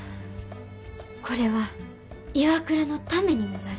これはＩＷＡＫＵＲＡのためにもなる。